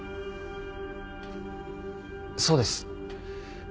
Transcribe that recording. そうです。